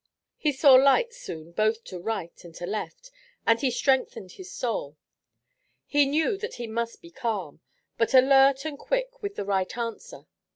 He saw lights soon both to right and to left and he strengthened his soul. He knew that he must be calm, but alert and quick with the right answer.